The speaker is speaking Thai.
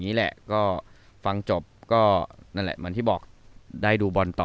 นี่แหละก็ฟังจบก็นั่นแหละเหมือนที่บอกได้ดูบอลต่อ